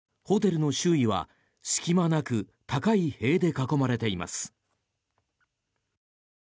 ホテルの周囲は隙間なく高い塀で囲まれています。